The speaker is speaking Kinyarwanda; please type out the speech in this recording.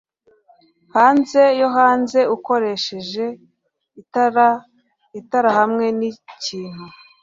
Hanze yo hanze ukoresheje itaraitara hamwe nikintu